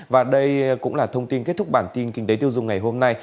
và đây cũng là thông tin kết thúc bản tin kinh tế tiêu dùng ngày hôm nay